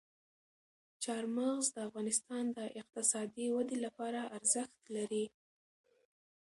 چار مغز د افغانستان د اقتصادي ودې لپاره ارزښت لري.